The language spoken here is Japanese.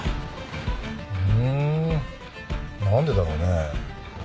ふん何でだろうね？